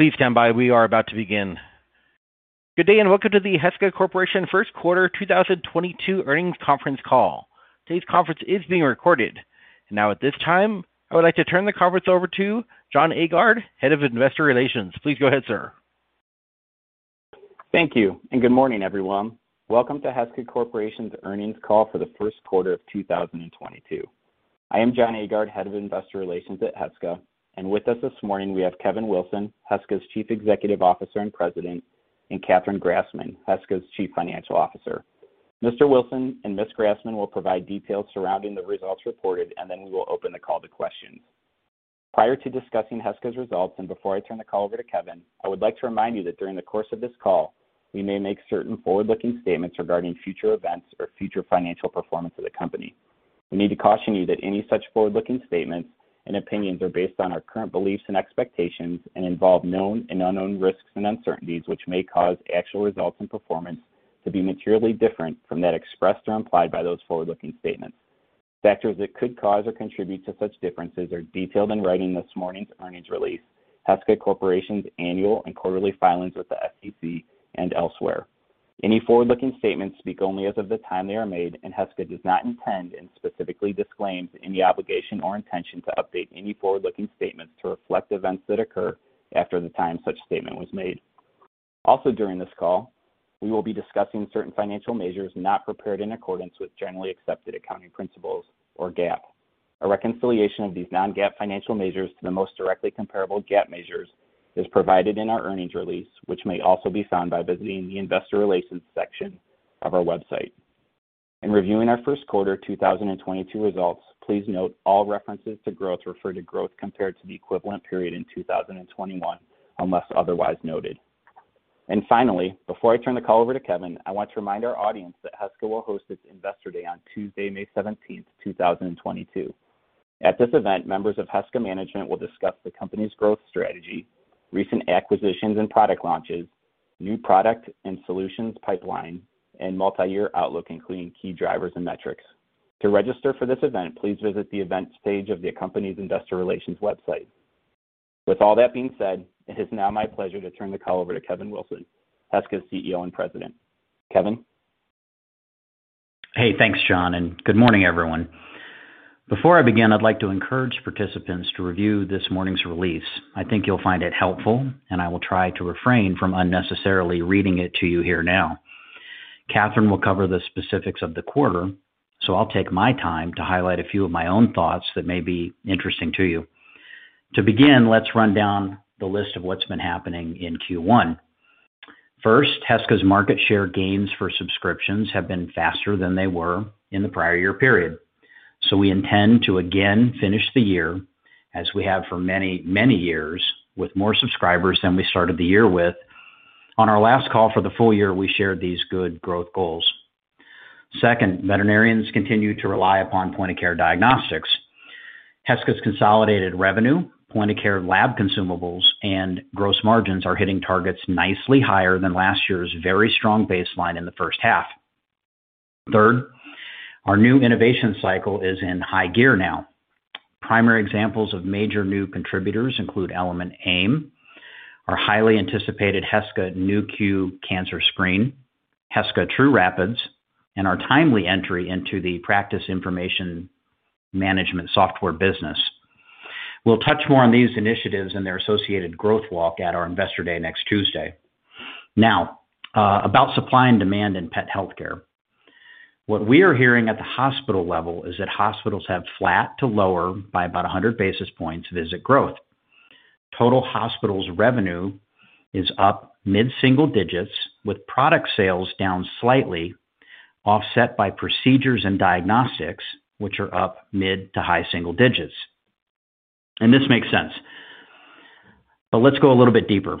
Please stand by. We are about to begin. Good day and welcome to the Heska Corporation Q1 2022 Earnings Conference Call. Today's conference is being recorded. Now at this time, I would like to turn the conference over to Jon Aagaard, Head of Investor Relations. Please go ahead, sir. Thank you and good morning, everyone. Welcome to Heska Corporation's earnings call for the Q1 of 2022. I am Jon Aagaard, Head of Investor Relations at Heska. With us this morning, we have Kevin Wilson, Heska's Chief Executive Officer and President, and Catherine Grassman, Heska's Chief Financial Officer. Mr. Wilson and Ms. Grassman will provide details surrounding the results reported, and then we will open the call to questions. Prior to discussing Heska's results. Before I turn the call over to Kevin, I would like to remind you that during the course of this call, we may make certain forward-looking statements regarding future events or future financial performance of the company. We need to caution you that any such forward-looking statements and opinions are based on our current beliefs and expectations and involve known and unknown risks and uncertainties, which may cause actual results and performance to be materially different from that expressed or implied by those forward-looking statements. Factors that could cause or contribute to such differences are detailed in this morning's earnings release, Heska Corporation's annual and quarterly filings with the SEC and elsewhere. Any forward-looking statements speak only as of the time they are made, and Heska does not intend and specifically disclaims any obligation or intention to update any forward-looking statements to reflect events that occur after the time such statement was made. Also during this call, we will be discussing certain financial measures not prepared in accordance with generally accepted accounting principles or GAAP. A reconciliation of these non-GAAP financial measures to the most directly comparable GAAP measures is provided in our earnings release, which may also be found by visiting the investor relations section of our website. In reviewing our Q1 2022 results, please note all references to growth refer to growth compared to the equivalent period in 2021, unless otherwise noted. Finally, before I turn the call over to Kevin, I want to remind our audience that Heska will host its Investor Day on Tuesday, May 17, 2022. At this event, members of Heska management will discuss the company's growth strategy, recent acquisitions and product launches, new product and solutions pipeline, and multi-year outlook, including key drivers and metrics. To register for this event, please visit the Events page of the company's investor relations website. With all that being said, it is now my pleasure to turn the call over to Kevin Wilson, Heska's CEO and President. Kevin. Hey, thanks, Jon, and good morning, everyone. Before I begin, I'd like to encourage participants to review this morning's release. I think you'll find it helpful, and I will try to refrain from unnecessarily reading it to you here now. Catherine will cover the specifics of the quarter, so I'll take my time to highlight a few of my own thoughts that may be interesting to you. To begin, let's run down the list of what's been happening in Q1. First, Heska's market share gains for subscriptions have been faster than they were in the prior year period. We intend to again finish the year, as we have for many, many years, with more subscribers than we started the year with. On our last call for the full year, we shared these good growth goals. Second, veterinarians continue to rely upon point of care diagnostics. Heska's consolidated revenue, point of care lab consumables, and gross margins are hitting targets nicely higher than last year's very strong baseline in the first half. Third, our new innovation cycle is in high gear now. Primary examples of major new contributors include Element AIM, our highly anticipated Heska Nu.Q Cancer Screen, Heska trūRapid, and our timely entry into the practice information management software business. We'll touch more on these initiatives and their associated growth walk at our Investor Day next Tuesday. Now, about supply and demand in pet healthcare. What we are hearing at the hospital level is that hospitals have flat to lower by about 100 basis points visit growth. Total hospitals revenue is up mid-single digits with product sales down slightly, offset by procedures and diagnostics, which are up mid to high single digits. This makes sense. Let's go a little bit deeper.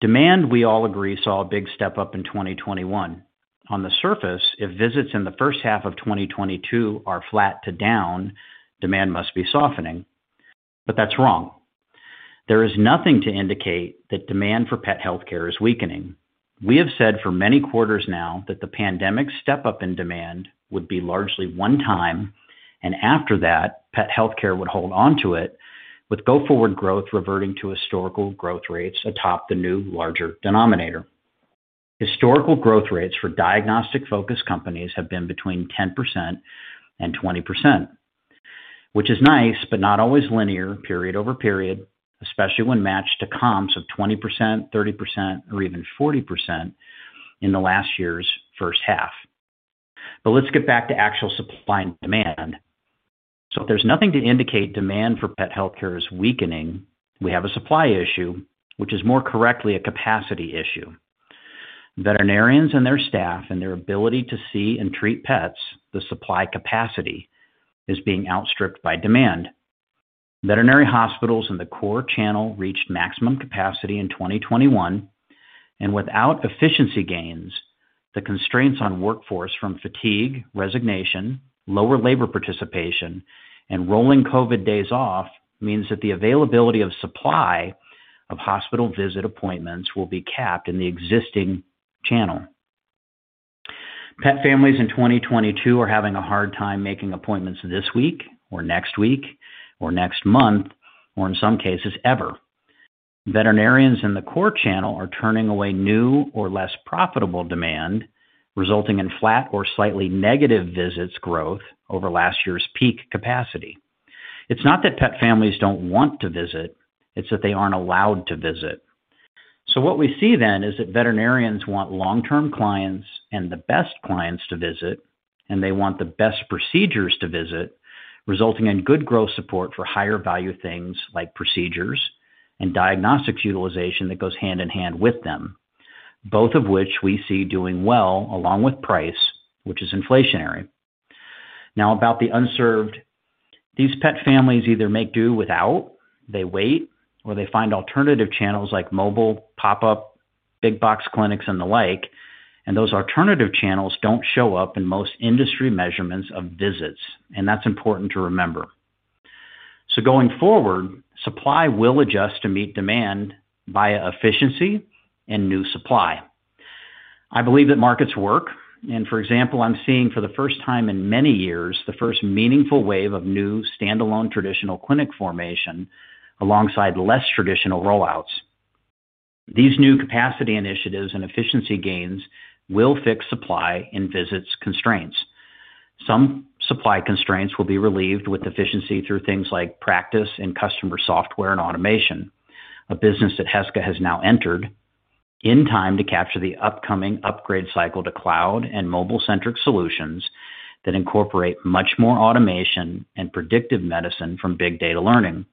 Demand, we all agree, saw a big step up in 2021. On the surface, if visits in the first half of 2022 are flat to down, demand must be softening. That's wrong. There is nothing to indicate that demand for pet healthcare is weakening. We have said for many quarters now that the pandemic step-up in demand would be largely one time, and after that, pet healthcare would hold on to it with go-forward growth reverting to historical growth rates atop the new, larger denominator. Historical growth rates for diagnostic-focused companies have been between 10% and 20%, which is nice but not always linear period over period, especially when matched to comps of 20%, 30%, or even 40% in the last year's first half. Let's get back to actual supply and demand. If there's nothing to indicate demand for pet healthcare is weakening, we have a supply issue, which is more correctly a capacity issue. Veterinarians and their staff and their ability to see and treat pets, the supply capacity, is being outstripped by demand. Veterinary hospitals in the core channel reached maximum capacity in 2021, and without efficiency gains, the constraints on workforce from fatigue, resignation, lower labor participation, and rolling COVID days off means that the availability of supply of hospital visit appointments will be capped in the existing channel. Pet families in 2022 are having a hard time making appointments this week or next week or next month, or in some cases, ever. Veterinarians in the core channel are turning away new or less profitable demand, resulting in flat or slightly negative visits growth over last year's peak capacity. It's not that pet families don't want to visit, it's that they aren't allowed to visit. What we see then is that veterinarians want long-term clients and the best clients to visit, and they want the best procedures to visit, resulting in good growth support for higher value things like procedures and diagnostics utilization that goes hand in hand with them, both of which we see doing well along with price, which is inflationary. Now about the unserved. These pet families either make do without, they wait, or they find alternative channels like mobile, pop-up, big box clinics, and the like. Those alternative channels don't show up in most industry measurements of visits, and that's important to remember. Going forward, supply will adjust to meet demand via efficiency and new supply. I believe that markets work. For example, I'm seeing for the first time in many years the first meaningful wave of new standalone traditional clinic formation alongside less traditional rollouts. These new capacity initiatives and efficiency gains will fix supply and visits constraints. Some supply constraints will be relieved with efficiency through things like practice and customer software and automation. A business that Heska has now entered in time to capture the upcoming upgrade cycle to cloud and mobile-centric solutions that incorporate much more automation and predictive medicine from big data learning.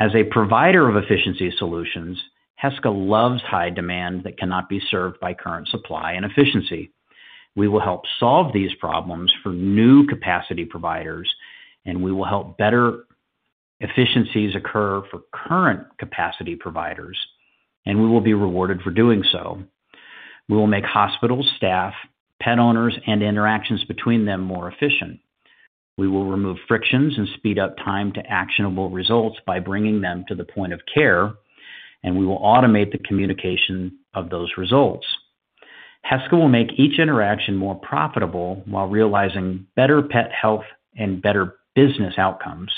As a provider of efficiency solutions, Heska loves high demand that cannot be served by current supply and efficiency. We will help solve these problems for new capacity providers, and we will help better efficiencies occur for current capacity providers, and we will be rewarded for doing so. We will make hospital staff, pet owners, and interactions between them more efficient. We will remove frictions and speed up time to actionable results by bringing them to the point of care, and we will automate the communication of those results. Heska will make each interaction more profitable while realizing better pet health and better business outcomes.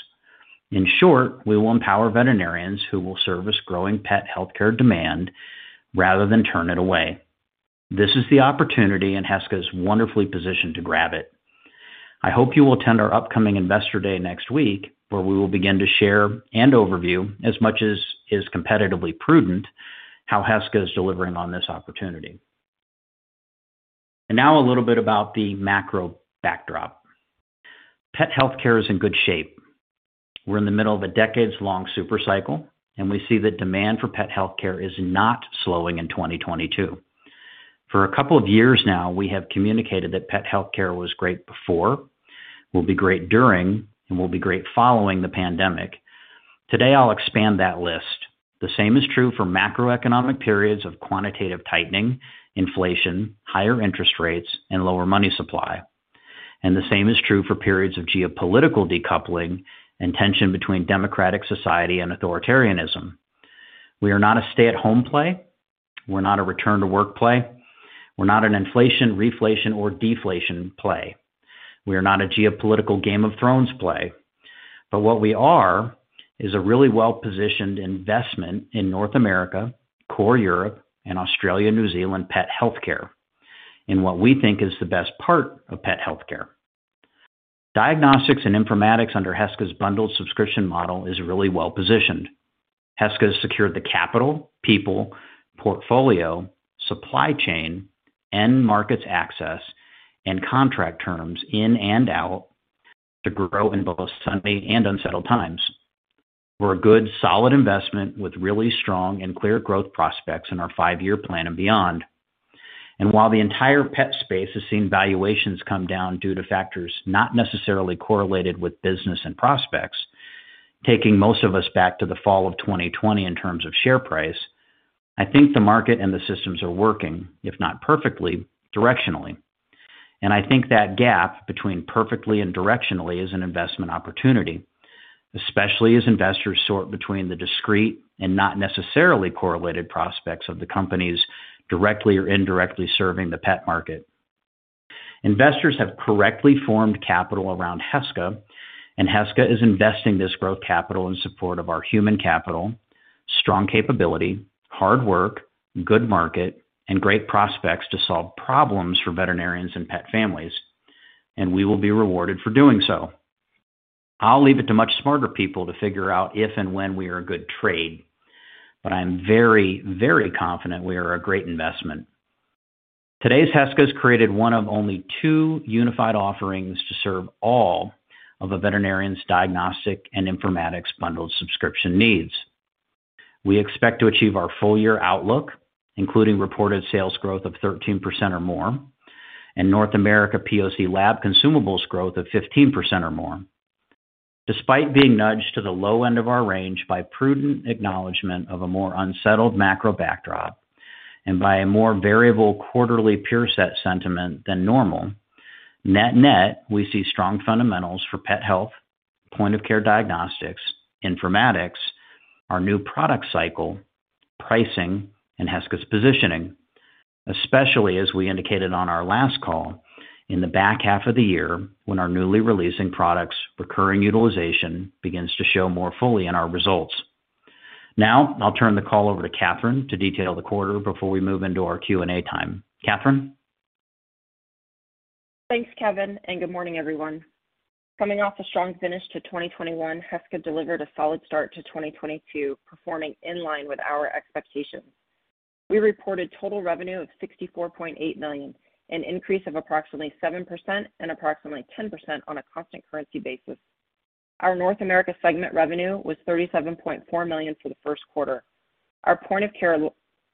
In short, we will empower veterinarians who will service growing pet healthcare demand rather than turn it away. This is the opportunity, and Heska is wonderfully positioned to grab it. I hope you will attend our upcoming Investor Day next week, where we will begin to share an overview as much as is competitively prudent how Heska is delivering on this opportunity. Now a little bit about the macro backdrop. Pet healthcare is in good shape. We're in the middle of a decades-long super cycle, and we see that demand for pet healthcare is not slowing in 2022. For a couple of years now, we have communicated that pet healthcare was great before, will be great during, and will be great following the pandemic. Today, I'll expand that list. The same is true for macroeconomic periods of quantitative tightening, inflation, higher interest rates, and lower money supply. The same is true for periods of geopolitical decoupling and tension between democratic society and authoritarianism. We are not a stay-at-home play. We're not a return-to-work play. We're not an inflation, reflation, or deflation play. We are not a geopolitical Game of Thrones play. What we are is a really well-positioned investment in North America, core Europe, and Australia, New Zealand pet healthcare in what we think is the best part of pet healthcare. Diagnostics and informatics under Heska's bundled subscription model is really well-positioned. Heska has secured the capital, people, portfolio, supply chain, end markets access, and contract terms in and out to grow in both sunny and unsettled times. We're a good solid investment with really strong and clear growth prospects in our five-year plan and beyond. While the entire pet space has seen valuations come down due to factors not necessarily correlated with business and prospects, taking most of us back to the fall of 2020 in terms of share price, I think the market and the systems are working, if not perfectly, directionally. I think that gap between perfectly and directionally is an investment opportunity, especially as investors sort between the discrete and not necessarily correlated prospects of the companies directly or indirectly serving the pet market. Investors have correctly formed capital around Heska, and Heska is investing this growth capital in support of our human capital, strong capability, hard work, good market, and great prospects to solve problems for veterinarians and pet families, and we will be rewarded for doing so. I'll leave it to much smarter people to figure out if and when we are a good trade, but I'm very, very confident we are a great investment. Today's Heska has created one of only two unified offerings to serve all of a veterinarian's diagnostic and informatics bundled subscription needs. We expect to achieve our full-year outlook, including reported sales growth of 13% or more and North America POC lab consumables growth of 15% or more. Despite being nudged to the low end of our range by prudent acknowledgment of a more unsettled macro backdrop and by a more variable quarterly peer set sentiment than normal. Net-net, we see strong fundamentals for pet health, point of care diagnostics, informatics, our new product cycle, pricing, and Heska's positioning, especially as we indicated on our last call in the back half of the year when our newly releasing products recurring utilization begins to show more fully in our results. Now I'll turn the call over to Catherine to detail the quarter before we move into our Q&A time. Catherine? Thanks, Kevin, and good morning, everyone. Coming off a strong finish to 2021, Heska delivered a solid start to 2022, performing in line with our expectations. We reported total revenue of $64.8 million, an increase of approximately 7% and approximately 10% on a constant currency basis. Our North America segment revenue was $37.4 million for the Q1. Our point of care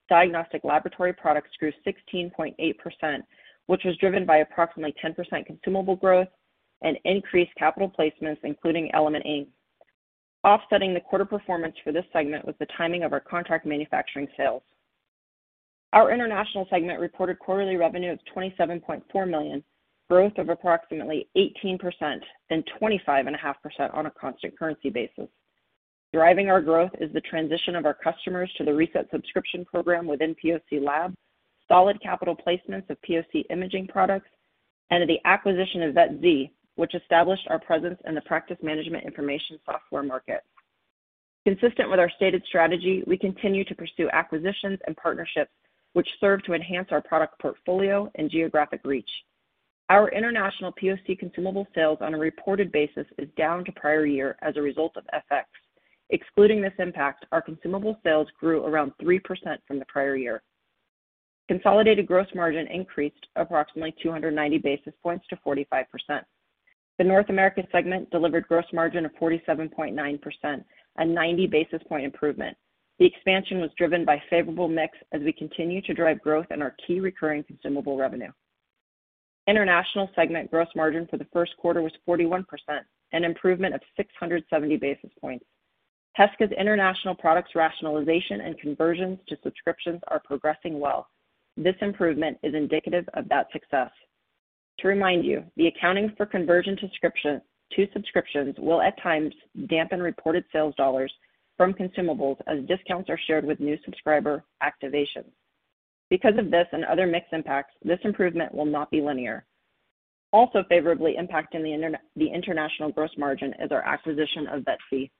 diagnostic laboratory products grew 16.8%, which was driven by approximately 10% consumable growth and increased capital placements, including Element AIM. Offsetting the quarter performance for this segment was the timing of our contract manufacturing sales. Our international segment reported quarterly revenue of $27.4 million, growth of approximately 18% and 25.5% on a constant currency basis. Driving our growth is the transition of our customers to the Reset subscription program within POC Lab, solid capital placements of POC imaging products, and the acquisition of VetZ, which established our presence in the practice management information software market. Consistent with our stated strategy, we continue to pursue acquisitions and partnerships which serve to enhance our product portfolio and geographic reach. Our international POC consumable sales on a reported basis is down to prior year as a result of FX. Excluding this impact, our consumable sales grew around 3% from the prior year. Consolidated gross margin increased approximately 290 basis points to 45%. The North American segment delivered gross margin of 47.9%, a 90 basis point improvement. The expansion was driven by favorable mix as we continue to drive growth in our key recurring consumable revenue. International segment gross margin for the Q1 was 41%, an improvement of 670 basis points. Heska's international products rationalization and conversions to subscriptions are progressing well. This improvement is indicative of that success. To remind you, the accounting for conversion to subscriptions will at times dampen reported sales dollars from consumables as discounts are shared with new subscriber activation. Because of this and other mix impacts, this improvement will not be linear. Also favorably impacting the international gross margin is our acquisition of VetZ.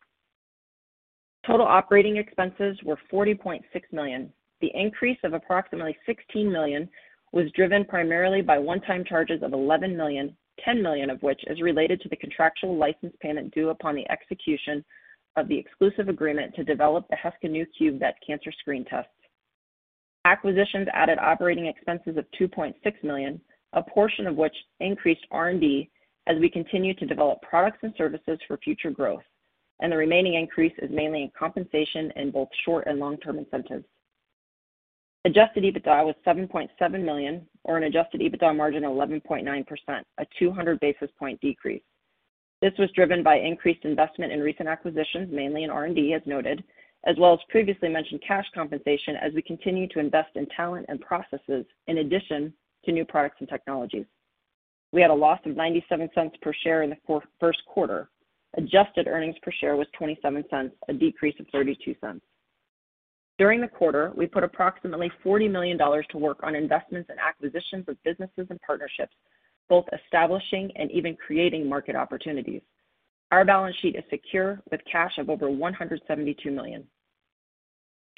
Total operating expenses were $40.6 million. The increase of approximately $16 million was driven primarily by one-time charges of $11 million, $10 million of which is related to the contractual license payment due upon the execution of the exclusive agreement to develop the Heska Nu.Q Vet Cancer Screening Test. Acquisitions added operating expenses of $2.6 million, a portion of which increased R&D as we continue to develop products and services for future growth, and the remaining increase is mainly in compensation in both short- and long-term incentives. Adjusted EBITDA was $7.7 million or an adjusted EBITDA margin of 11.9%, a 200 basis point decrease. This was driven by increased investment in recent acquisitions, mainly in R&D as noted, as well as previously mentioned cash compensation as we continue to invest in talent and processes in addition to new products and technologies. We had a loss of $0.97 per share in the Q1. Adjusted earnings per share was $0.27, a decrease of $0.32. During the quarter, we put approximately $40 million to work on investments and acquisitions of businesses and partnerships, both establishing and even creating market opportunities. Our balance sheet is secure with cash of over $172 million.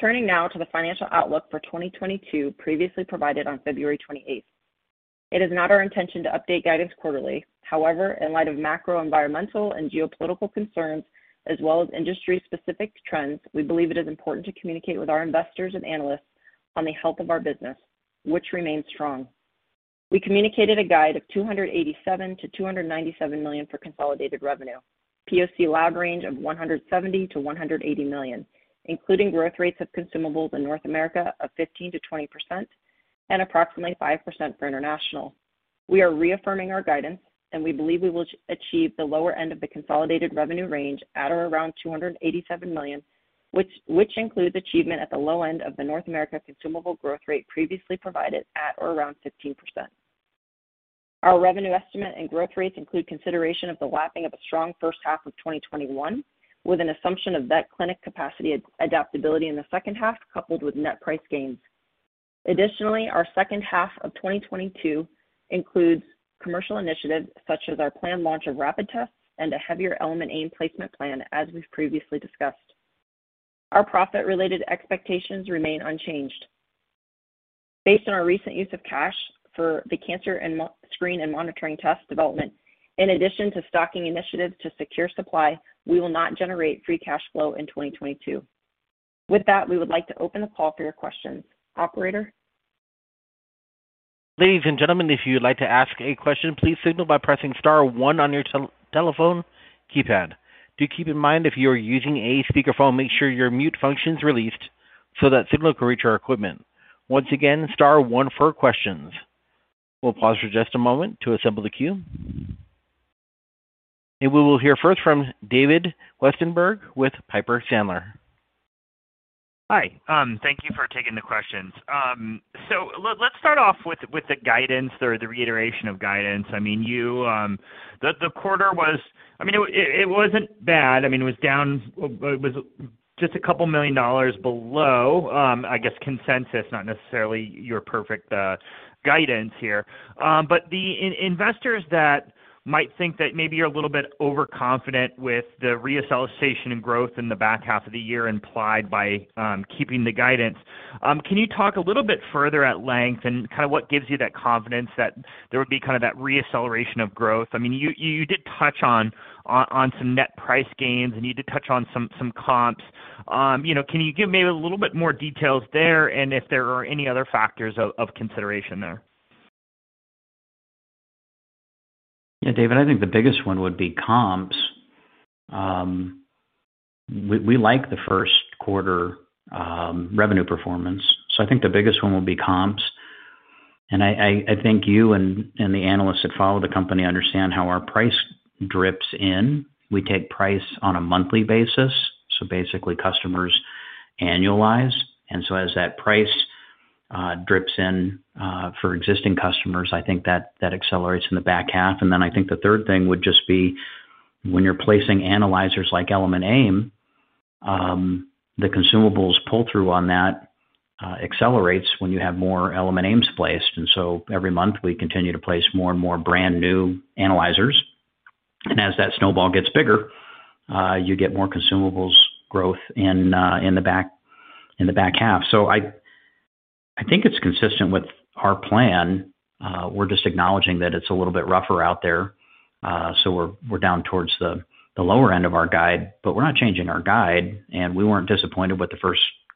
Turning now to the financial outlook for 2022 previously provided on February 28. It is not our intention to update guidance quarterly. However, in light of macro, environmental, and geopolitical concerns as well as industry specific trends, we believe it is important to communicate with our investors and analysts on the health of our business, which remains strong. We communicated a guide of $287-$297 million for consolidated revenue, POC Lab range of $170-$180 million, including growth rates of consumables in North America of 15%-20% and approximately 5% for international. We are reaffirming our guidance, and we believe we will achieve the lower end of the consolidated revenue range at or around $287 million, which includes achievement at the low end of the North America consumable growth rate previously provided at or around 15%. Our revenue estimate and growth rates include consideration of the lapping of a strong first half of 2021, with an assumption of vet clinic capacity adaptability in the second half, coupled with net price gains. Additionally, our second half of 2022 includes commercial initiatives such as our planned launch of trūRapid and a heavier Element AIM placement plan, as we've previously discussed. Our profit-related expectations remain unchanged. Based on our recent use of cash for the cancer and monitoring test development, in addition to stocking initiatives to secure supply, we will not generate free cash flow in 2022. With that, we would like to open the call for your questions. Operator? Ladies and gentlemen, if you would like to ask a question, please signal by pressing star one on your telephone keypad. Do keep in mind if you are using a speakerphone, make sure your mute function is released so that signal can reach our equipment. Once again, star one for questions. We'll pause for just a moment to assemble the queue. We will hear first from David Westenberg with Piper Sandler. Hi. Thank you for taking the questions. Let's start off with the guidance or the reiteration of guidance. I mean, you. The quarter was I mean, it wasn't bad. I mean, it was down it was just $2 million below, I guess, consensus, not necessarily your perfect guidance here. The investors that might think that maybe you're a little bit overconfident with the reacceleration in growth in the back half of the year implied by keeping the guidance, can you talk a little bit further at length and kinda what gives you that confidence that there would be kinda that reacceleration of growth? I mean, you did touch on some net price gains, and you did touch on some comps. You know, can you give maybe a little bit more details there and if there are any other factors of consideration there? Yeah, David, I think the biggest one would be comps. We like the Q1 revenue performance. I think the biggest one will be comps. I think you and the analysts that follow the company understand how our price drips in. We take price on a monthly basis, so basically customers annualize. As that price drips in for existing customers, I think that accelerates in the back half. Then I think the third thing would just be when you're placing analyzers like Element AIM, the consumables pull-through on that accelerates when you have more Element AIMs placed. Every month, we continue to place more and more brand-new analyzers. As that snowball gets bigger, you get more consumables growth in the back half. I think it's consistent with our plan. We're just acknowledging that it's a little bit rougher out there, so we're down towards the lower end of our guide, but we're not changing our guide, and we weren't disappointed with the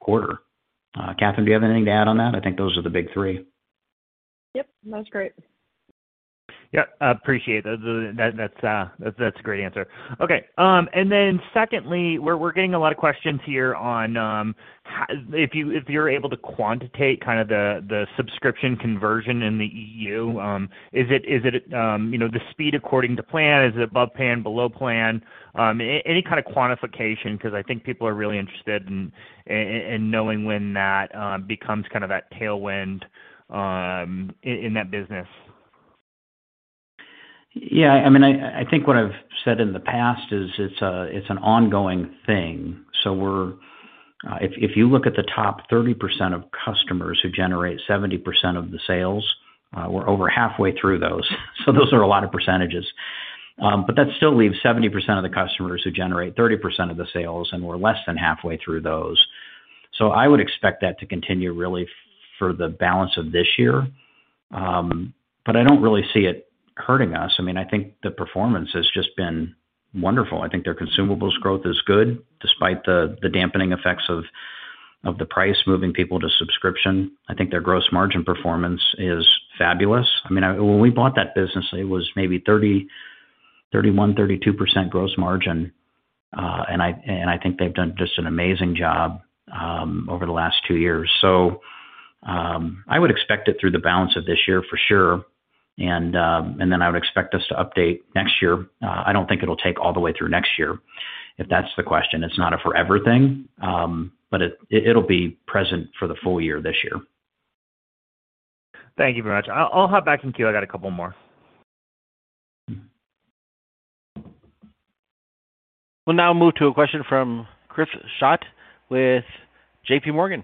Q1. Catherine, do you have anything to add on that? I think those are the big three. Yes. No, that's great. Yes, I appreciate that. That's a great answer. Okay, then secondly, we're getting a lot of questions here on if you're able to quantitate kind of the subscription conversion in the EU, is it you know the speed according to plan? Is it above plan, below plan? Any kind of quantification, 'cause I think people are really interested in knowing when that becomes kind of that tailwind in that business. Yeah. I mean, I think what I've said in the past is it's an ongoing thing. We're if you look at the top 30% of customers who generate 70% of the sales, we're over halfway through those. Those are a lot of percentages. That still leaves 70% of the customers who generate 30% of the sales, and we're less than halfway through those. I would expect that to continue really for the balance of this year. I don't really see it hurting us. I mean, I think the performance has just been wonderful. I think their consumables growth is good despite the dampening effects of the price moving people to subscription. I think their gross margin performance is fabulous. I mean, when we bought that business, it was maybe 30%-32% gross margin. I think they've done just an amazing job over the last two years. I would expect it through the balance of this year for sure. I would expect us to update next year. I don't think it'll take all the way through next year, if that's the question. It's not a forever thing. But it'll be present for the full year this year. Thank you very much. I'll hop back in queue. I got a couple more. We'll now move to a question from Chris Schott with J.P. Morgan.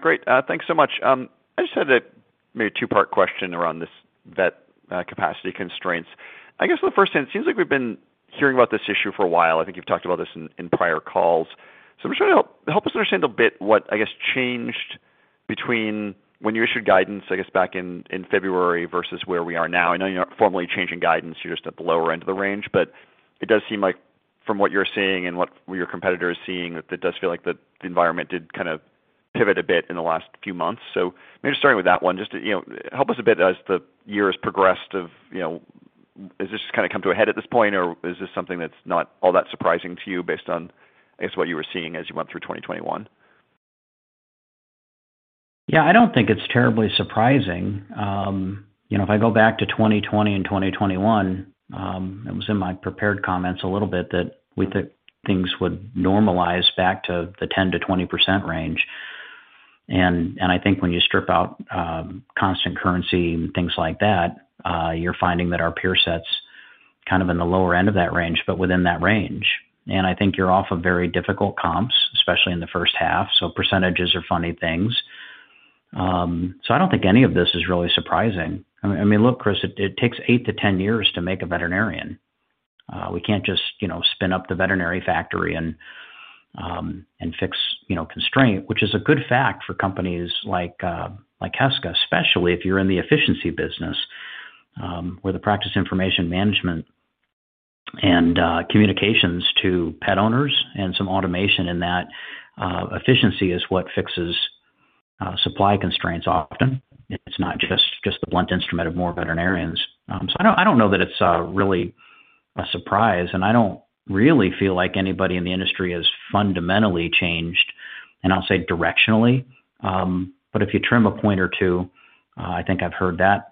Great. Thanks so much. I just had a maybe two-part question around this VetZ capacity constraints. I guess the first thing, it seems like we've been hearing about this issue for a while. I think you've talked about this in prior calls. I'm just trying to help us understand a bit what, I guess, changed between when you issued guidance, I guess, back in February versus where we are now. I know you're not formally changing guidance, you're just at the lower end of the range. It does seem like from what you're seeing and what your competitor is seeing, that it does feel like the environment did kind of pivot a bit in the last few months. Maybe just starting with that one, just to, you know, help us a bit as the year has progressed of, you know, has this just kinda come to a head at this point, or is this something that's not all that surprising to you based on, I guess, what you were seeing as you went through 2021? Yeah, I don't think it's terribly surprising. You know, if I go back to 2020 and 2021, it was in my prepared comments a little bit that we thought things would normalize back to the 10%-20% range. I think when you strip out constant currency and things like that, you're finding that our peer set's kind of in the lower end of that range, but within that range. I think you're off of very difficult comps, especially in the first half, so percentages are funny things. I don't think any of this is really surprising. I mean, look, Chris, it takes 8-10 years to make a veterinarian. We can't just, you know, spin up the veterinary factory and fix, you know, constraint, which is a good fact for companies like Heska, especially if you're in the efficiency business, where the practice information management and communications to pet owners and some automation in that efficiency is what fixes supply constraints often. It's not just the blunt instrument of more veterinarians. I don't know that it's really a surprise, and I don't really feel like anybody in the industry has fundamentally changed. I'll say directionally, but if you trim a point or two, I think I've heard that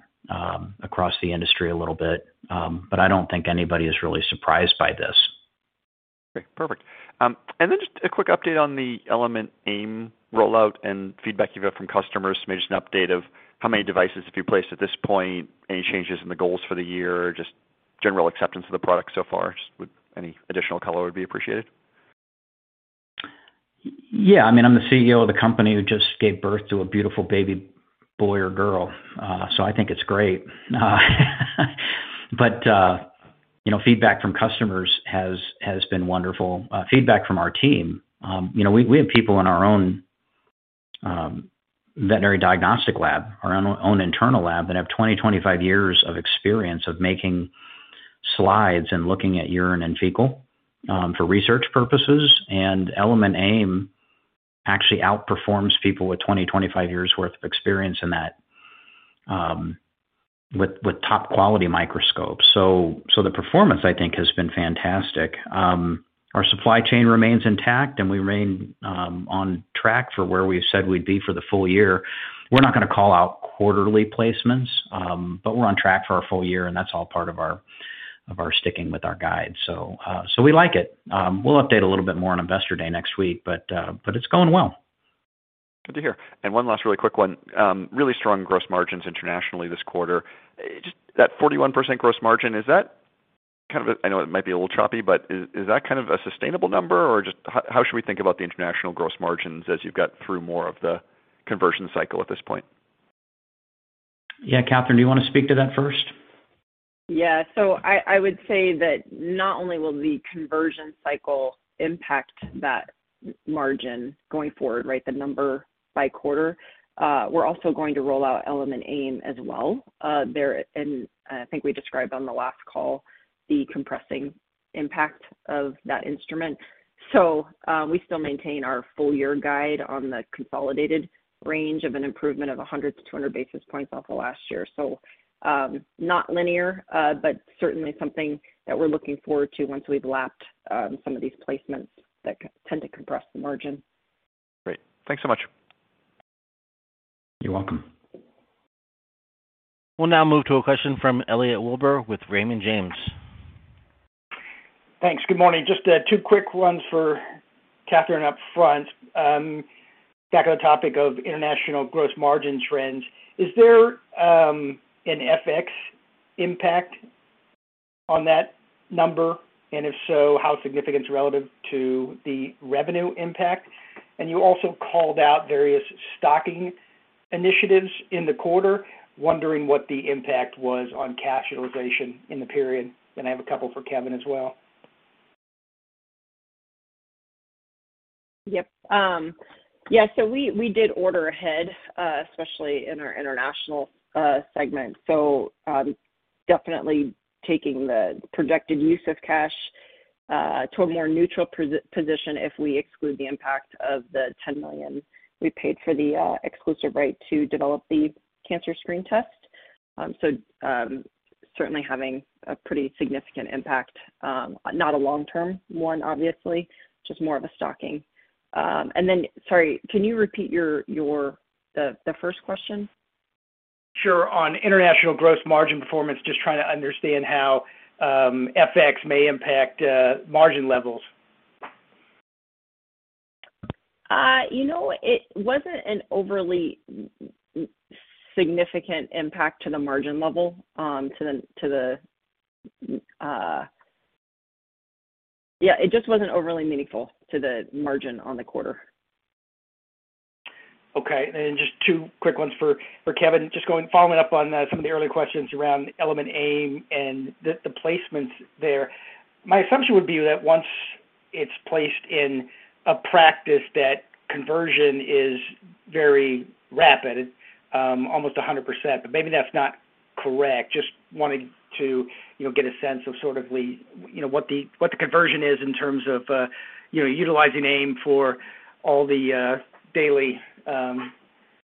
across the industry a little bit. I don't think anybody is really surprised by this. Okay, perfect. Just a quick update on the Element AIM rollout and feedback you've got from customers. Maybe just an update of how many devices have you placed at this point, any changes in the goals for the year, just general acceptance of the product so far. Just any additional color would be appreciated. Yeah. I mean, I'm the CEO of the company who just gave birth to a beautiful baby boy or girl, so I think it's great. You know, feedback from customers has been wonderful. Feedback from our team, you know, we have people in our own veterinary diagnostic lab, our own internal lab that have 25 years of experience of making slides and looking at urine and fecal for research purposes, and Element AIM actually outperforms people with 25 years' worth of experience in that with top-quality microscopes. The performance, I think, has been fantastic. Our supply chain remains intact, and we remain on track for where we've said we'd be for the full year. We're not going to call out quarterly placements, but we're on track for our full year, and that's all part of our sticking with our guide. We like it. We'll update a little bit more on Investor Day next week, but it's going well. Good to hear. One last really quick one. Really strong gross margins internationally this quarter. Just that 41% gross margin, is that kind of a sustainable number? I know it might be a little choppy, but is that kind of a sustainable number, or just how should we think about the international gross margins as you've got through more of the conversion cycle at this point? Yeah. Catherine, do you want to speak to that first? Yeah. I would say that not only will the conversion cycle impact that margin going forward, right, the number by quarter, we're also going to roll out Element AIM as well. And I think we described on the last call the compressing impact of that instrument. We still maintain our full year guide on the consolidated range of an improvement of 100-200 basis points off of last year. Not linear, but certainly something that we're looking forward to once we've lapped some of these placements that tend to compress the margin. Great. Thanks so much. You're welcome. We'll now move to a question from Elliot Wilbur with Raymond James. Thanks. Good morning. Just two quick ones for Catherine up front. Back on the topic of international gross margin trends, is there an FX impact on that number? If so, how significant is relative to the revenue impact? You also called out various stocking initiatives in the quarter. Wondering what the impact was on cash utilization in the period. I have a couple for Kevin as well. Yep. Yeah, so we did order ahead, especially in our international segment. Definitely taking the projected use of cash to a more neutral position if we exclude the impact of the $10 million we paid for the exclusive right to develop the cancer screen test. Certainly having a pretty significant impact, not a long-term one, obviously, just more of a stocking. Sorry, can you repeat the first question? Sure. On international gross margin performance, just trying to understand how FX may impact margin levels. You know, it wasn't an overly significant impact to the margin level. Yeah, it just wasn't overly meaningful to the margin on the quarter. Okay. Just two quick ones for Kevin. Just following up on some of the earlier questions around Element AIM and the placements there. My assumption would be that once it's placed in a practice, that conversion is very rapid, almost 100%, but maybe that's not correct. Just wanted to, you know, get a sense of sort of the, you know, what the conversion is in terms of, you know, utilizing AIM for all the daily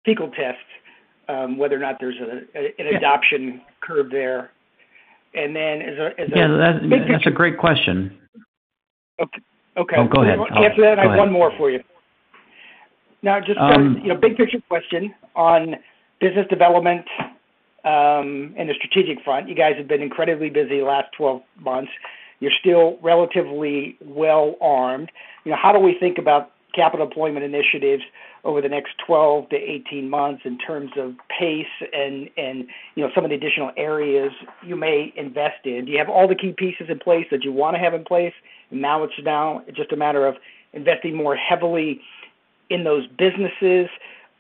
fecal tests, whether or not there's an adoption curve there. Then is there Yeah, that's a great question. Okay. Oh, go ahead. After that, I have one more for you. Now just, you know, big picture question on business development, in the strategic front. You guys have been incredibly busy the last 12 months. You're still relatively well-armed. You know, how do we think about capital deployment initiatives over the next 12-18 months in terms of pace and, you know, some of the additional areas you may invest in? Do you have all the key pieces in place that you want to have in place? Now just a matter of investing more heavily in those businesses,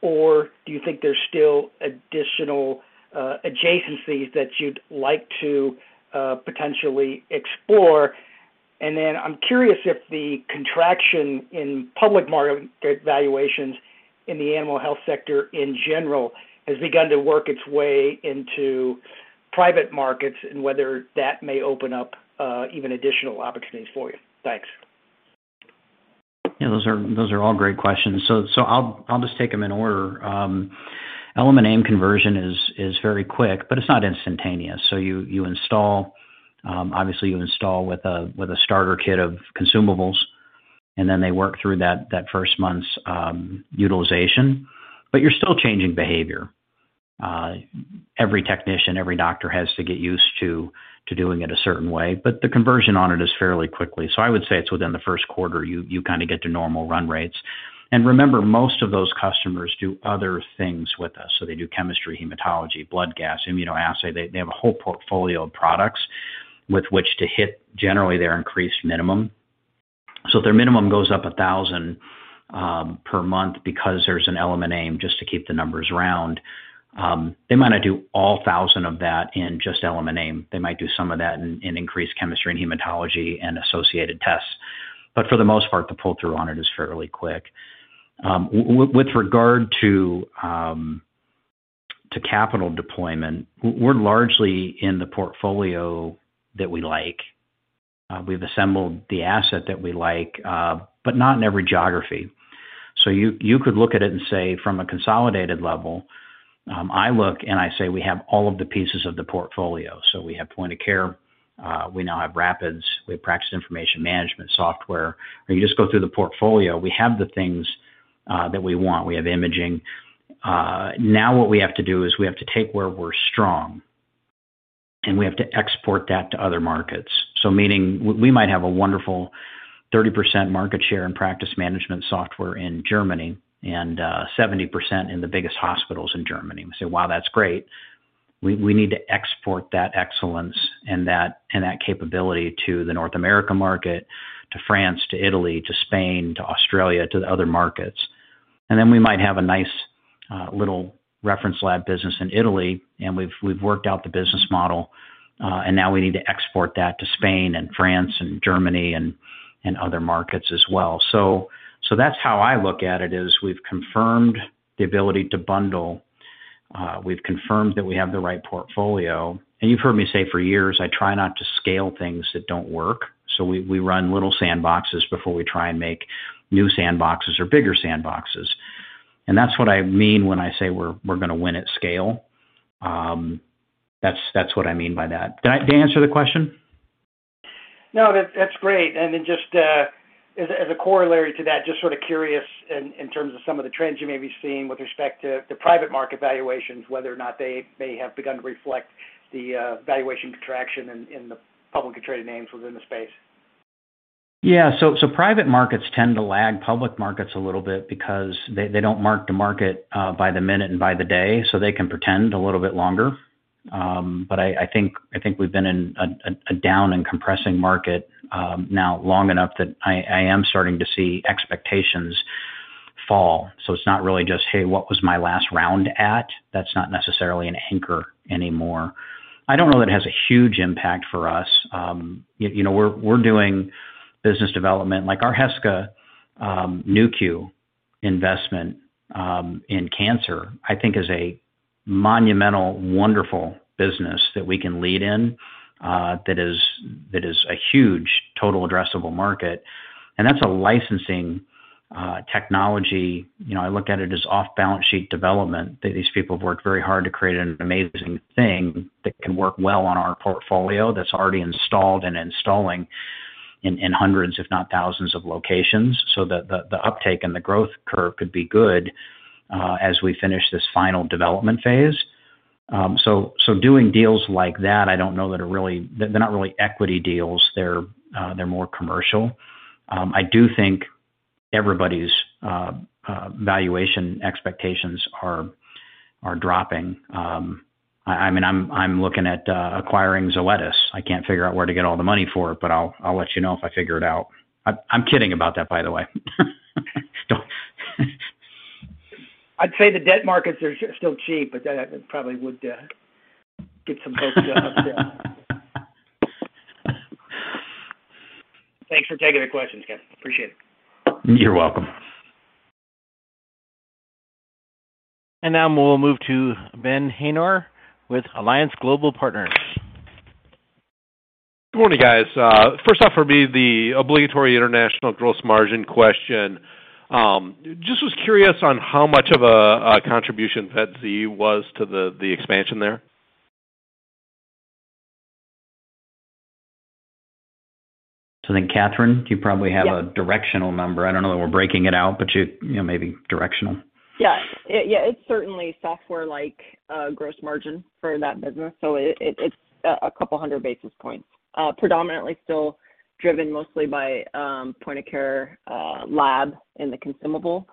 or do you think there's still additional, adjacencies that you'd like to, potentially explore? I'm curious if the contraction in public market valuations in the animal health sector in general has begun to work its way into private markets and whether that may open up even additional opportunities for you. Thanks. Yeah, those are all great questions. I'll just take them in order. Element AIM conversion is very quick, but it's not instantaneous. You install, obviously you install with a starter kit of consumables, and then they work through that first month's utilization. But you're still changing behavior. Every technician, every doctor has to get used to doing it a certain way, but the conversion on it is fairly quickly. I would say it's within the Q1, you kinda get to normal run rates. Remember, most of those customers do other things with us. They do chemistry, hematology, blood gas, immunoassay. They have a whole portfolio of products with which to hit generally their increased minimum. Their minimum goes up $1,000 per month because there's an Element AIM just to keep the numbers round. They might not do all 1,000 of that in just Element AIM. They might do some of that in increased chemistry and hematology and associated tests. For the most part, the pull-through on it is fairly quick. With regard to capital deployment, we're largely in the portfolio that we like. We've assembled the asset that we like, but not in every geography. You could look at it and say from a consolidated level, I look and I say, we have all of the pieces of the portfolio. We have point of care, we now have trūRapid, we have practice information management software. If you just go through the portfolio, we have the things that we want. We have imaging. Now what we have to do is we have to take where we're strong, and we have to export that to other markets. Meaning we might have a wonderful 30% market share in practice management software in Germany and 70% in the biggest hospitals in Germany. We say, "Wow, that's great." We need to export that excellence and that capability to the North America market, to France, to Italy, to Spain, to Australia, to the other markets. We might have a nice little reference lab business in Italy, and we've worked out the business model, and now we need to export that to Spain and France and Germany and other markets as well. That's how I look at it, is we've confirmed the ability to bundle. We've confirmed that we have the right portfolio. You've heard me say for years, I try not to scale things that don't work. We run little sandboxes before we try and make new sandboxes or bigger sandboxes. That's what I mean when I say we're going to win at scale. That's what I mean by that. Did I answer the question? No, that's great. Just as a corollary to that, just sort of curious in terms of some of the trends you may be seeing with respect to the private market valuations, whether or not they may have begun to reflect the valuation contraction in the publicly traded names within the space? Yeah. Private markets tend to lag public markets a little bit because they don't mark the market by the minute and by the day, so they can pretend a little bit longer. I think we've been in a down and compressing market now long enough that I am starting to see expectations fall. It's not really just, hey, what was my last round at? That's not necessarily an anchor anymore. I don't know that it has a huge impact for us. You know, we're doing business development. Like, our Heska Nu.Q investment in cancer, I think is a monumental, wonderful business that we can lead in, that is a huge total addressable market. That's a licensing technology. You know, I look at it as off-balance sheet development. These people have worked very hard to create an amazing thing that can work well on our portfolio that's already installed and installing in hundreds, if not thousands of locations. The uptake and the growth curve could be good as we finish this final development phase. Doing deals like that. They're not really equity deals. They're more commercial. I do think everybody's valuation expectations are dropping. I mean, I'm looking at acquiring Zoetis. I can't figure out where to get all the money for it, but I'll let you know if I figure it out. I'm kidding about that, by the way. I'd say the debt markets are still cheap, but that probably would get some folks jobs, yeah. Thanks for taking the questions, guys. Appreciate it. You're welcome. Now we'll move to Ben Haynor with Alliance Global Partners. Good morning, guys. First off for me, the obligatory international gross margin question. Just was curious on how much of a contribution VetZ was to the expansion there. Catherine, you probably have Yeah. a directional number. I don't know that we're breaking it out, but you know, maybe directional. Yeah, it's certainly software like gross margin for that business. It's a couple hundred basis points. Predominantly still driven mostly by point of care lab in the consumable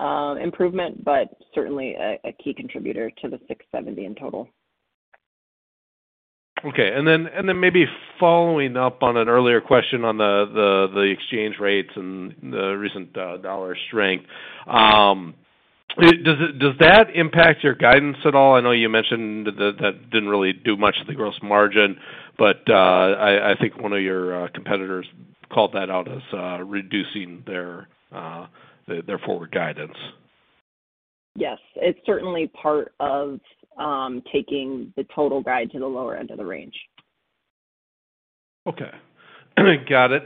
improvement, but certainly a key contributor to the 670 in total. Okay. Maybe following up on an earlier question on the exchange rates and the recent dollar strength. Does that impact your guidance at all? I know you mentioned that didn't really do much to the gross margin, but I think one of your competitors called that out as reducing their forward guidance. Yes. It's certainly part of taking the total guide to the lower end of the range. Okay. Got it.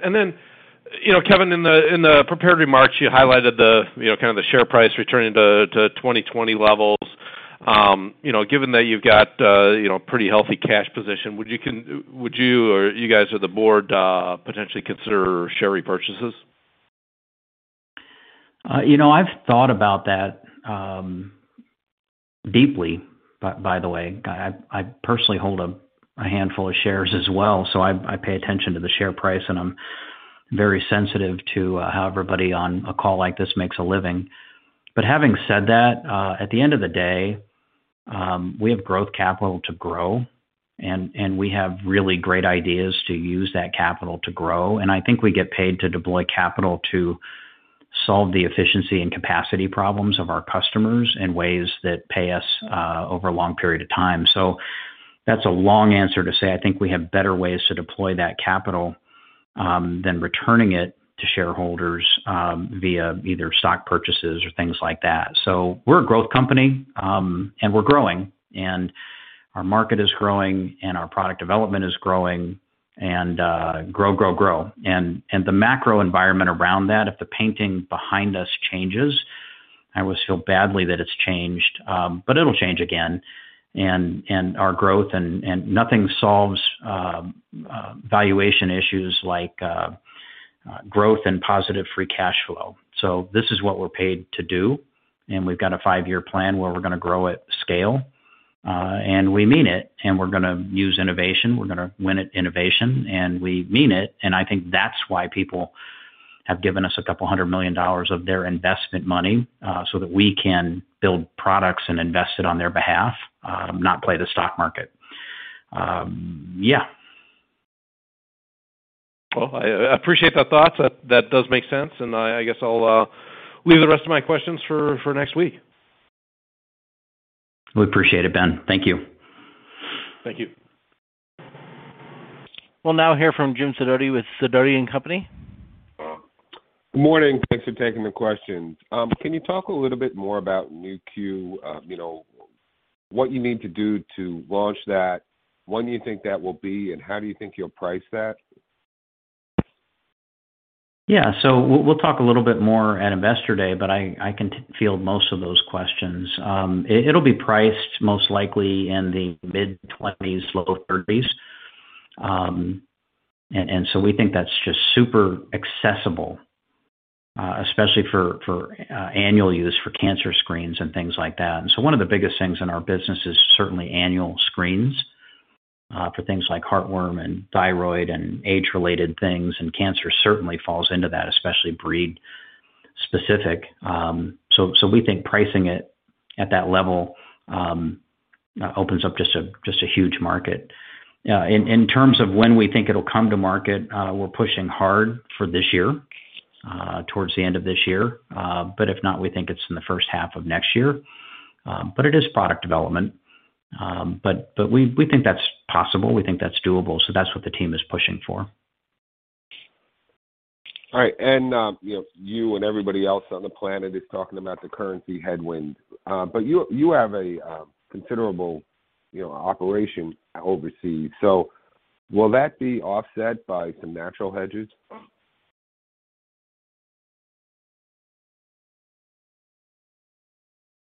You know, Kevin, in the prepared remarks, you highlighted the, you know, kind of the share price returning to 2020 levels. You know, given that you've got, you know, pretty healthy cash position, would you or you guys or the board potentially consider share repurchases? You know, I've thought about that deeply, by the way. I personally hold a handful of shares as well, so I pay attention to the share price, and I'm very sensitive to how everybody on a call like this makes a living. Having said that, at the end of the day, we have growth capital to grow, and we have really great ideas to use that capital to grow. I think we get paid to deploy capital to solve the efficiency and capacity problems of our customers in ways that pay us over a long period of time. That's a long answer to say I think we have better ways to deploy that capital than returning it to shareholders via either stock purchases or things like that. We're a growth company, and we're growing, and our market is growing, and our product development is growing. The macro environment around that, if the painting behind us changes, I always feel badly that it's changed, but it'll change again. Our growth, and nothing solves valuation issues like growth and positive free cash flow. This is what we're paid to do, and we've got a five-year plan where we're going to grow at scale. We mean it. We're going to use innovation. We're going to win at innovation, and we mean it. I think that's why people have given us $200 million of their investment money, so that we can build products and invest it on their behalf, not play the stock market. Well, I appreciate the thoughts. That does make sense, and I guess I'll leave the rest of my questions for next week. We appreciate it, Ben. Thank you. Thank you. We'll now hear from Jim Sidoti with Sidoti & Company. Good morning. Thanks for taking the questions. Can you talk a little bit more about Nu.Q? You know, what you need to do to launch that? When do you think that will be, and how do you think you'll price that? We'll talk a little bit more at Investor Day, but I can field most of those questions. It'll be priced most likely in the mid-$20s, low $30s. We think that's just super accessible, especially for annual use for cancer screens and things like that. One of the biggest things in our business is certainly annual screens for things like heartworm and thyroid and age-related things, and cancer certainly falls into that, especially breed-specific. We think pricing it at that level opens up just a huge market. In terms of when we think it'll come to market, we're pushing hard for this year, towards the end of this year. If not, we think it's in the first half of next year. It is product development. We think that's possible. We think that's doable, so that's what the team is pushing for. All right. You know, you and everybody else on the planet is talking about the currency headwinds. But you have a considerable, you know, operation overseas. Will that be offset by some natural hedges?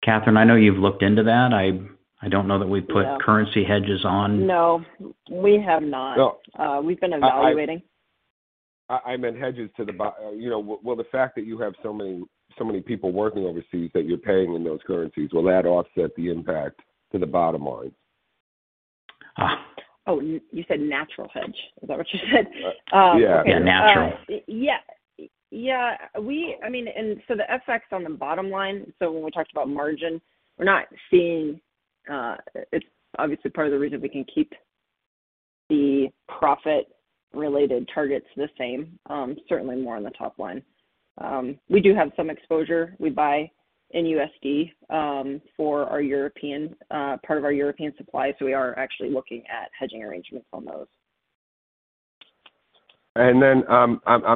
Catherine, I know you've looked into that. I don't know that we put currency hedges on. No, we have not. No. We've been evaluating. I meant, you know, well, the fact that you have so many people working overseas that you're paying in those currencies, will that offset the impact to the bottom line? Ah. Oh, you said natural hedge. Is that what you said? Yeah. Yeah, natural. The FX on the bottom line. When we talked about margin, we're not seeing. It's obviously part of the reason we can keep the profit-related targets the same, certainly more on the top line. We do have some exposure. We buy in USD for our European part of our European supply, so we are actually looking at hedging arrangements on those. I'm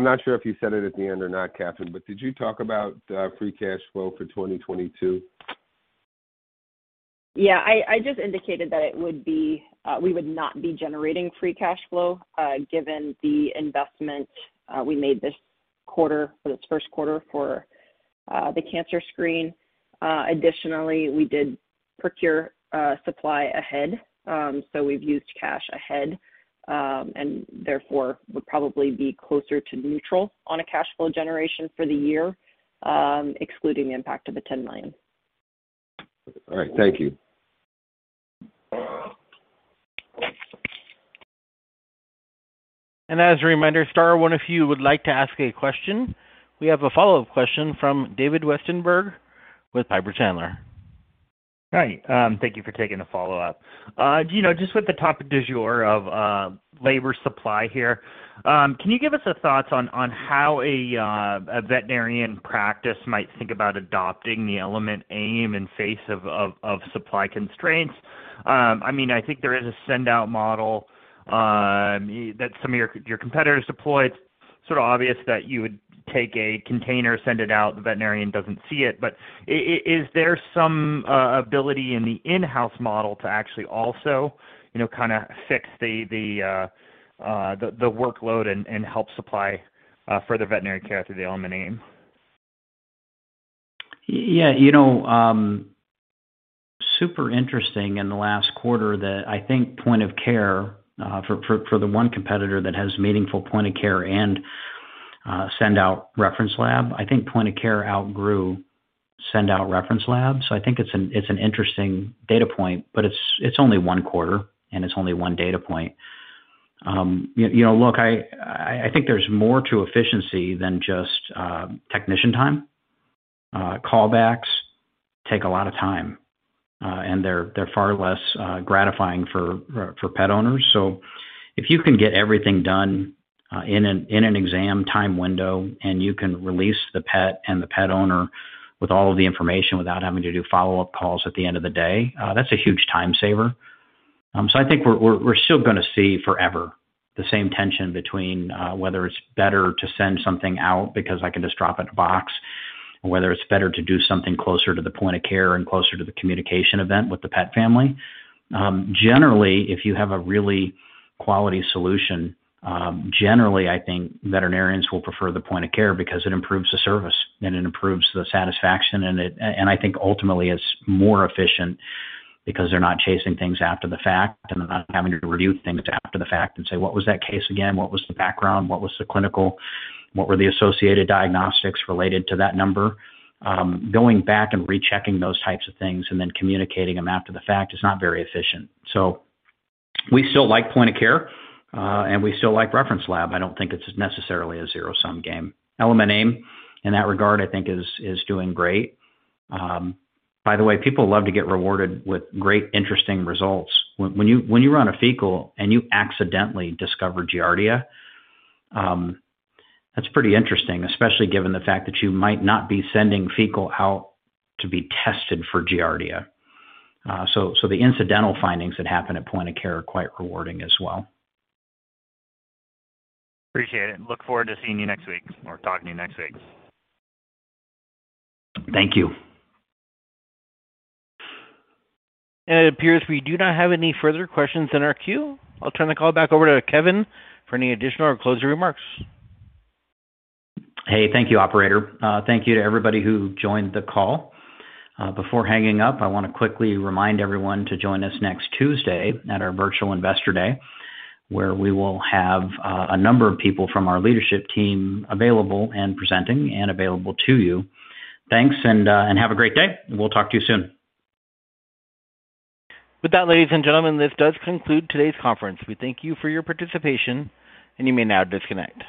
not sure if you said it at the end or not, Catherine, but did you talk about free cash flow for 2022? Yeah. I just indicated that we would not be generating free cash flow, given the investment we made this quarter, for this Q1 for the cancer screen. Additionally, we did procure supply ahead, so we've used cash ahead, and therefore would probably be closer to neutral on a cash flow generation for the year, excluding the impact of the $10 million. All right. Thank you. As a reminder, star one if you would like to ask a question. We have a follow-up question from David Westenberg with Piper Sandler. Hi. Thank you for taking the follow-up. You know, just with the topic du jour of labor supply here, can you give us your thoughts on how a veterinary practice might think about adopting the Element AIM in face of supply constraints? I mean, I think there is a send-out model that some of your competitors deployed. Sort of obvious that you would take a container, send it out, the veterinarian doesn't see it. Is there some ability in the in-house model to actually also, you know, kinda fix the workload and help supply further veterinary care through the Element AIM? Yeah. You know, super interesting in the last quarter that I think point of care for the one competitor that has meaningful point of care and send out reference lab, I think point of care outgrew send out reference lab. I think it's an interesting data point, it's only one quarter and it's only one data point. You know, look, I think there's more to efficiency than just technician time. Callbacks take a lot of time, and they're far less gratifying for pet owners. If you can get everything done in an exam time window, and you can release the pet and the pet owner with all of the information without having to do follow-up calls at the end of the day, that's a huge time saver. I think we're still going to see forever the same tension between whether it's better to send something out because I can just drop it in a box or whether it's better to do something closer to the point of care and closer to the communication event with the pet family. Generally, if you have a really quality solution, generally I think veterinarians will prefer the point of care because it improves the service and it improves the satisfaction. I think ultimately it's more efficient because they're not chasing things after the fact, and they're not having to review things after the fact and say, "What was that case again? What was the background? What was the clinical? What were the associated diagnostics related to that number?" Going back and rechecking those types of things and then communicating them after the fact is not very efficient. We still like point of care, and we still like reference lab. I don't think it's necessarily a zero-sum game. Element AIM in that regard, I think is doing great. By the way, people love to get rewarded with great interesting results. When you run a fecal and you accidentally discover Giardia, that's pretty interesting, especially given the fact that you might not be sending fecal out to be tested for Giardia. So the incidental findings that happen at point of care are quite rewarding as well. Appreciate it. Look forward to seeing you next week or talking to you next week. Thank you. It appears we do not have any further questions in our queue. I'll turn the call back over to Kevin for any additional or closing remarks. Hey, thank you, operator. Thank you to everybody who joined the call. Before hanging up, I want to quickly remind everyone to join us next Tuesday at our virtual Investor Day, where we will have a number of people from our leadership team available and presenting and available to you. Thanks and have a great day. We'll talk to you soon. With that, ladies and gentlemen, this does conclude today's conference. We thank you for your participation, and you may now disconnect.